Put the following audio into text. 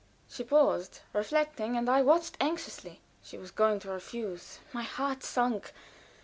She paused, reflecting, and I watched anxiously. She was going to refuse. My heart sunk.